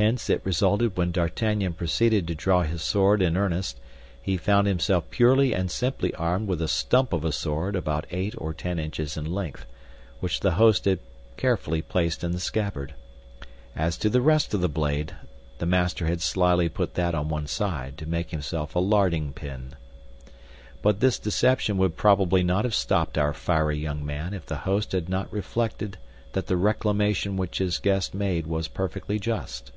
Hence, it resulted when D'Artagnan proceeded to draw his sword in earnest, he found himself purely and simply armed with a stump of a sword about eight or ten inches in length, which the host had carefully placed in the scabbard. As to the rest of the blade, the master had slyly put that on one side to make himself a larding pin. But this deception would probably not have stopped our fiery young man if the host had not reflected that the reclamation which his guest made was perfectly just.